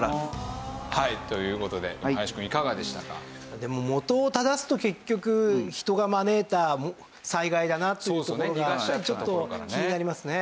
でも元を正すと結局人が招いた災害だなというところがちょっと気になりますね。